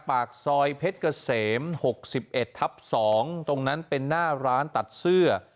ปากซอยเพชรเกษม๖๑ทับ๒ตรงนั้นเป็นหน้าร้านตัดเสื้อ